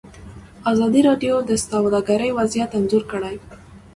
ازادي راډیو د سوداګري وضعیت انځور کړی.